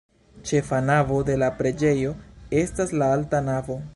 Ĉefa navo de la preĝejo estas la alta navo.